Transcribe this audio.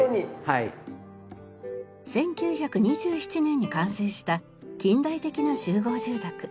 １９２７年に完成した近代的な集合住宅。